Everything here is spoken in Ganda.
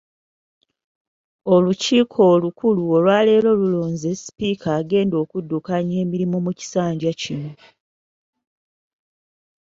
Olukiiko olukulu olwaleero lulonze sipiika agenda okuddukanya emirimu mu kisanja kino .